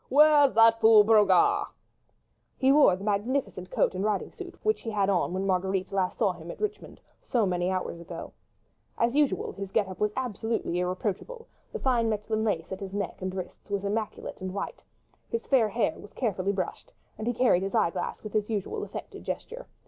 Where's that fool Brogard?" He wore the magnificent coat and riding suit which he had on when Marguerite last saw him at Richmond, so many hours ago. As usual, his get up was absolutely irreproachable, the fine Mechlin lace at his neck and wrists was immaculate in its gossamer daintiness, his hands looked slender and white, his fair hair was carefully brushed, and he carried his eye glass with his usual affected gesture.